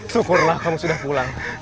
syukurlah kamu sudah pulang